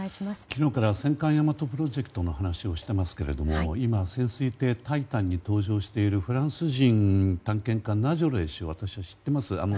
昨日から戦艦「大和」プロジェクトの話をしていますけれども今潜水艇「タイタン」に搭乗しているフランス人探検家のナジョレ氏は私、知っています。